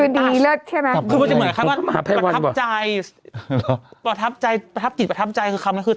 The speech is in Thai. ดีและใช่มั้ยคือจะเหมือนกันกับอาทัพใจปัศจีนปะทัพใจคือคำนะคือ